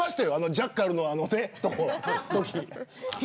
ジャッカルのとき。